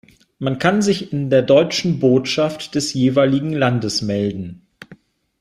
Man kann sich in der deutschen Botschaft des jeweiligen Landes melden.